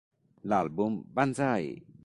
L'album "Banzai!